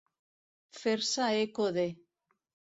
Fer-se eco de.